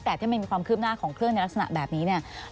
แต่ที่มันมีความคืบหน้าของเครื่องในลักษณะแบบนี้เนี่ย